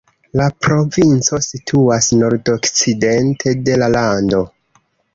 La provinco situas nordokcidente de la lando.